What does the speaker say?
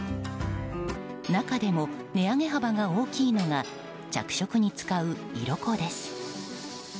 中でも値上げ幅が大きいのが着色に使う色粉です。